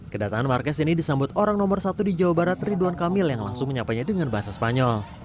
kedatangan marquez ini disambut orang nomor satu di jawa barat ridwan kamil yang langsung menyapanya dengan bahasa spanyol